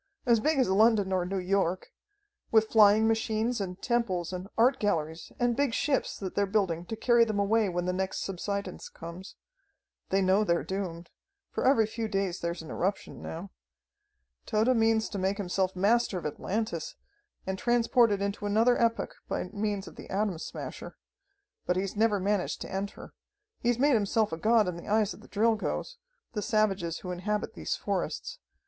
As big as London or New York. With flying machines and temples and art galleries and big ships that they're building to carry them away when the next subsidence comes. They know they're doomed, for every few days there's an eruption now. "Tode means to make himself master of Atlantis, and transport it into another epoch by means of the Atom Smasher. But he's never managed to enter. He's made himself a god in the eyes of the Drilgoes, the savages who inhabit these forests.